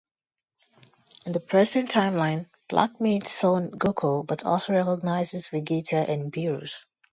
In the present timeline, Black meets Son Goku, but also recognizes Vegeta and Beerus.